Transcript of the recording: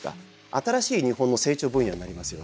新しい日本の成長分野になりますよね。